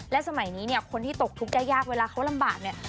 สมัยนี้เนี่ยคนที่ตกทุกข์ได้ยากเวลาเขาลำบากเนี่ย